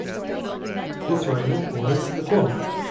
Israel will host the tournament.